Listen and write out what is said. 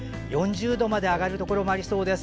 ４０度まで上がるところもありそうです。